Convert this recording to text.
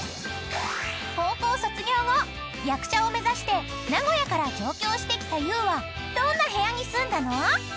［高校卒業後役者を目指して名古屋から上京してきたゆうはどんな部屋に住んだの？］